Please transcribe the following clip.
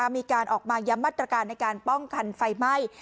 มีการออกมาย้ำมาตรการในการป้องกันไฟไหม้